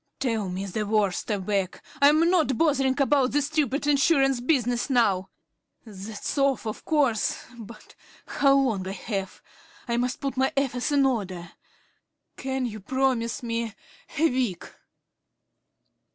"Tell me the worst," I begged. "I'm not bothering about this stupid insurance business now. That's off, of course. But how long have I? I must put my affairs in order. Can you promise me a week?"